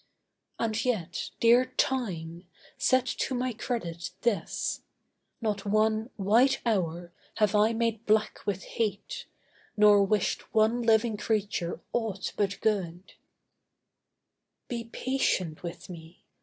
And yet, dear Time, set to my credit this: Not one white hour have I made black with hate, Nor wished one living creature aught but good. Be patient with me.